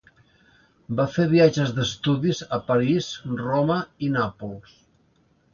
Va fer viatges d'estudis a París, Roma i Nàpols.